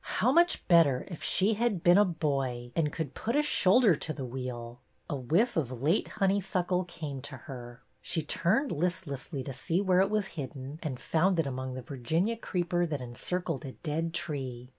How much better if she had been a boy and could put a shoulder to the wheel ! A whiff of late honeysuckle came to her. She turned listlessly to see where it was hidden, and found it among the Virginia creeper that encir cled a dead tree.